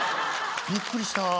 びっくりした。